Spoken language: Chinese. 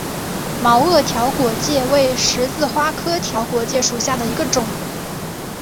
毛萼条果芥为十字花科条果芥属下的一个种。